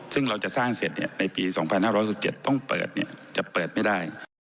ซึ่งเราจะสร้างเสร็จในปี๒๕๖๗ต้องเปิดจะเปิดไม่ได้